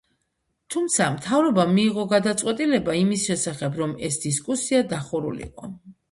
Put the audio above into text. თუმცა, მთავრობამ მიიღო გადაწყვეტილება იმის შესახებ, რომ ეს დისკუსია დახურულიყო.